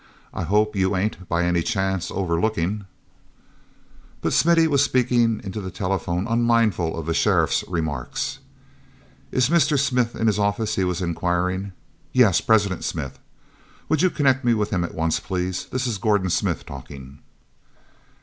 I hope you ain't, by any chance, overlookin'—" But Smithy was speaking into the telephone unmindful of the sheriff's remarks. "Is Mr. Smith in his office?" he was inquiring. "Yes, President Smith.... Would you connect me with him at once, please? This is Gordon Smith talking."